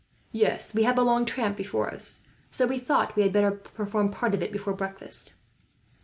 "Yes, we have a long tramp before us, so we thought we had better perform part of it before breakfast."